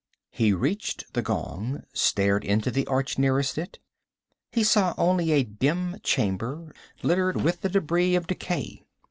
He reached the gong, stared into the arch nearest it. He saw only a dim chamber, littered with the debris of decay.